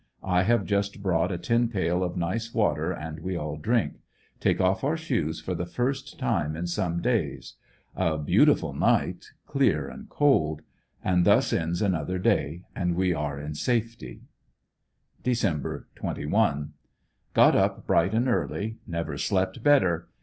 I have just brought a tin pail of nice water and we all drink. Take off our shoes for the first time in some days. A beautiful night — clear and cold. And thus ends another day, and we are in safety. Dec. 21. — Got up bright and early. Never slept better.